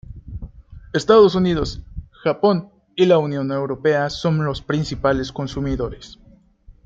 Estados Unidos, Japón, y la Unión Europea son los principales consumidores.